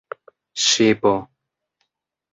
ŝipo